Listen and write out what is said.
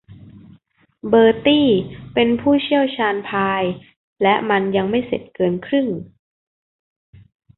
เบอร์ตี้เป็นผู้เชี่ยวชาญพายและมันยังไม่เสร็จเกินครึ่ง